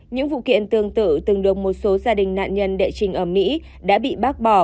những vụ kiện tương tự từng được một số gia đình nạn nhân đệ trình ở mỹ đã bị bác bỏ